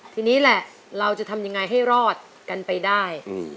ทีนี้แหละเราจะทำยังไงให้รอดกันไปได้